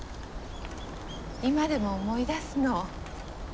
今でも思い出すの。